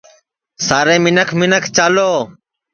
سارے منکھ منکھ چالو